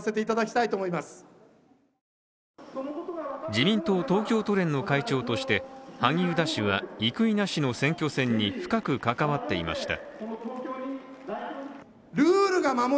自民党東京都連の会長として、萩生田氏は生稲氏の選挙戦に深く関わっていました。